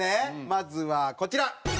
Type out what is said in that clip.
まずはこちら。